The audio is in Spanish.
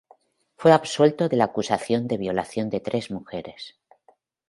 Fue absuelto de la acusación de violación de tres mujeres.